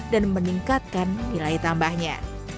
dan meningkatkan nilai tambahnya